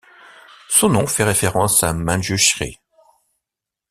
Son nom fait référence à Manjushri.